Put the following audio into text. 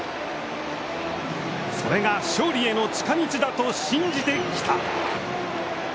それが、勝利への近道だと信じてきた。